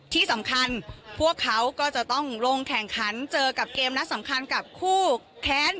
ที่สำคัญพวกเขาก็จะต้องลงแข่งขันเจอกับเกมนัดสำคัญกับคู่แค้น